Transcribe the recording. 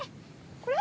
これ！